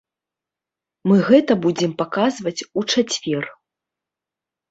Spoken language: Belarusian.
Мы гэта будзем паказваць у чацвер.